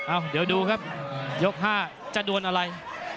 อ้าวเดี๋ยวดูครับยกห้าจะดวนอะไร